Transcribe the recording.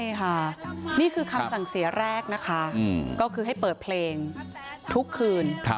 นี่ค่ะนี่คือคำสั่งเสียแรกนะคะก็คือให้เปิดเพลงทุกคืน